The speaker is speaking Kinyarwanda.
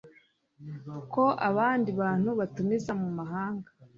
ko abandi bantu batumiza mu mahanga